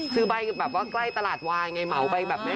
ซื้อไปแบบว่าใกล้ตลาดวายไงเหมาไปแบบแม่